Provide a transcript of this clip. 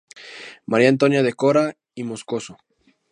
María Antonia de Cora y Moscoso.